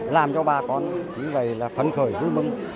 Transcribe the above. làm cho bà con như vậy là phấn khởi vui mừng